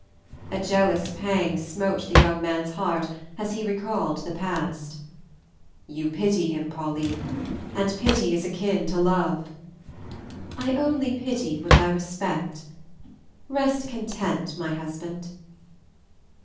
A jealous pang smote the young man's heart as he recalled the past. "You pity him, Pauline, and pity is akin to love." "I only pity what I respect. Rest content, my husband."